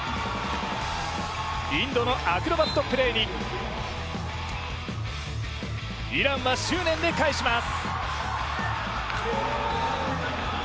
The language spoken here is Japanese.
インドのアクロバットプレーにイランは執念で返します。